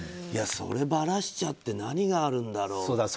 それをばらしちゃって何があるんだろうっていう。